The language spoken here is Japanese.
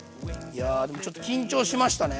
いやでもちょっと緊張しましたね。